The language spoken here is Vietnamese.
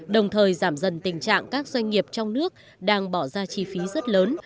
đồng thời giảm dần tình trạng các doanh nghiệp trong nước đang bỏ ra chi phí rất lớn